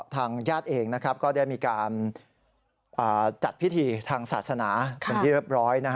ทางญาติเองก็ได้มีการจัดพิธีทางศาสนาเป็นที่เรียบร้อย